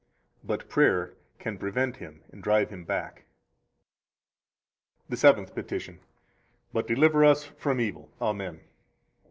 But prayer can prevent him and drive him back. The Seventh Petition. 112 But deliver us from evil. Amen.